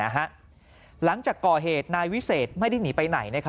หลังจากก่อเหตุนายวิเศษไม่ได้หนีไปไหน